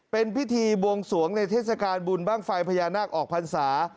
เป็นพิธีบวงสวงในเทศกาลบุญบ้างไฟพญานาคออกพรรษา